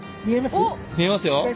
見えますよ。